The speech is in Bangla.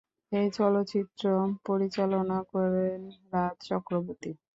এই চলচ্চিত্র পরিচালনা করেন রাজ চক্রবর্তী।